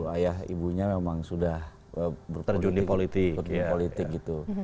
ayah ibunya memang sudah berpergian politik gitu